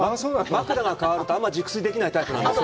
枕が変わるとあんまり熟睡できないタイプなんです。